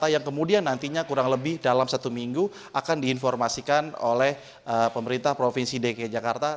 yang kemudian nantinya kurang lebih dalam satu minggu akan diinformasikan oleh pemerintah provinsi dki jakarta